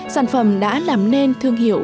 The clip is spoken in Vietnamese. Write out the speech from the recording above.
sản phẩm đã làm nên thương hiệu